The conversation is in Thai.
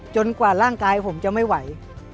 กว่าร่างกายผมจะไม่ไหว